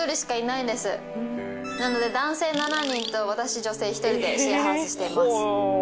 なので男性７人と私女性１人でシェアハウスしています。